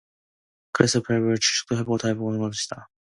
그래서 별별 추측도 다 해보곤 하였던 것이다.